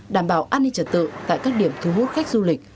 đảm bảo an ninh trật tự tại các điểm thu hút khách du lịch